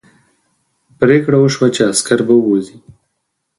پرېکړه وشوه چې عسکر به ووځي.